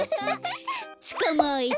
つかまえた。